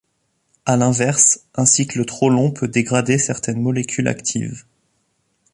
À l’inverse, un cycle trop long peut dégrader certaines molécules actives.